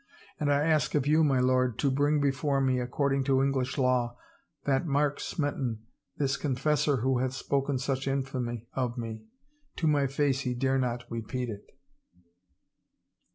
And I ask of you, my lord, to bring before me, according to English law, that Mark Smeton, this 'confessor,' who hath spoken such infamy of me. To my face he dare not repeat it